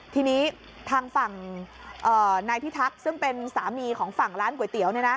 ทีนี้ทางฝั่งนายพิทักษ์ซึ่งเป็นสามีของฝั่งร้านก๋วยเตี๋ยว